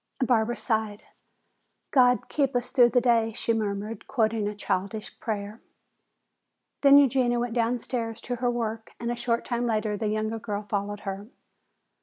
Barbara sighed. "God keep us through the day," she murmured, quoting a childish prayer. Then Eugenia went downstairs to her work and a short time later the younger girl followed her.